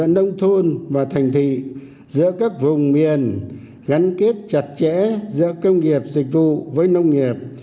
nông thôn và thành thị giữa các vùng miền gắn kết chặt chẽ giữa công nghiệp dịch vụ với nông nghiệp